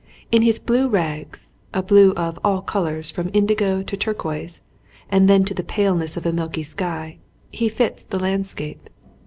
In his blue rags, a blue of all colours from indigo to turquoise and then to the paleness of a milky sky, he fits the landscape.